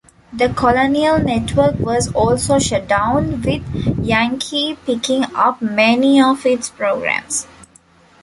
The Colonial Network was also shut down, with Yankee picking-up many of its programs.